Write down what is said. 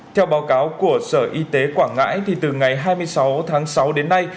theo báo cáo của sở y tế quảng ngãi thì từ ngày hai mươi sáu tháng sáu đến nay